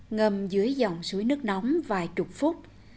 ngâm dưới dòng suối nước nóng vài chục phút